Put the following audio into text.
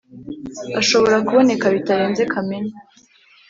ashobora kuboneka bitarenze Kamena.